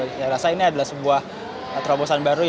saya rasa ini adalah sebuah terobosan baru